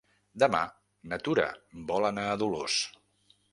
Demà na Tura vol anar a Dolors.